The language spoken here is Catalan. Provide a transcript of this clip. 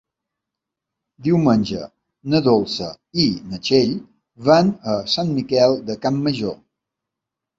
Diumenge na Dolça i na Txell van a Sant Miquel de Campmajor.